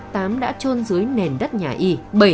tám đã trôn dưới nền đất nhà y